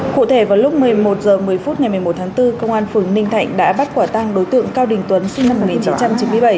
cụ thể vào lúc một mươi một h một mươi phút ngày một mươi một tháng bốn công an phường ninh thạnh đã bắt quả tăng đối tượng cao đình tuấn sinh năm một nghìn chín trăm chín mươi bảy